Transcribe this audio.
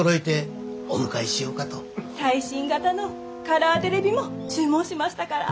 最新型のカラーテレビも注文しましたから。